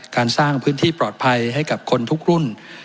การสร้างพื้นที่ปลอดภัยให้กับคนทุกรุ่น